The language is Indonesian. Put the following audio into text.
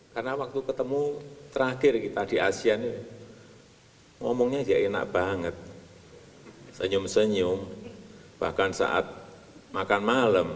banyak warga amerika yang marah atas kebijakan politik trump bahkan mencacinya